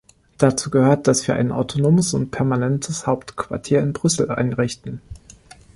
Dazu gehört, dass wir ein autonomes und permanentes Hauptquartier in Brüssel einrichten.